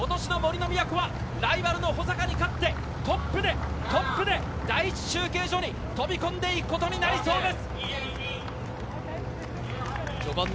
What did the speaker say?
３度目の正直で今年の杜の都はライバルの保坂に勝ってトップで第一中継所に飛び込んでいくことになりそうです。